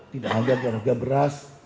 tidak ada harga beras